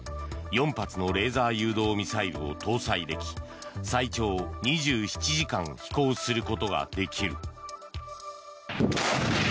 ４発のレーザー誘導ミサイルを搭載でき最長２７時間飛行することができる。